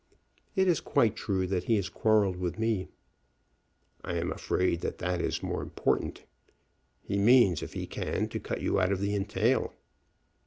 "It is quite true that he has quarrelled with me." "I am afraid that that is more important. He means, if he can, to cut you out of the entail."